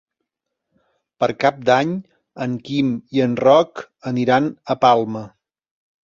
Per Cap d'Any en Quim i en Roc aniran a Palma.